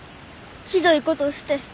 ひどいことして。